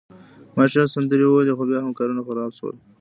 ما ښې سندرې وویلي، خو بیا هم کارونه خراب شول.